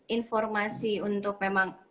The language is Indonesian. informasi untuk memang